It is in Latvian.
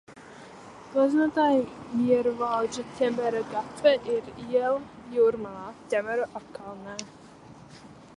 Gleznotāja Miervalža Ķemera gatve ir iela Jūrmalā, Ķemeru apkaimē.